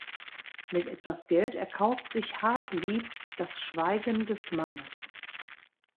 Mit etwas Geld erkauft sich Hartlieb das Schweigen des Mannes.